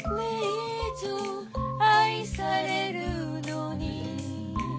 「愛されるのに」